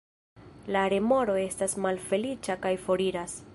La remoro estas malfeliĉa kaj foriras.